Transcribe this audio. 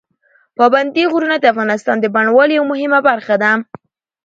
پابندي غرونه د افغانستان د بڼوالۍ یوه مهمه برخه ده.